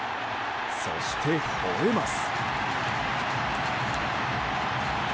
そして、ほえます。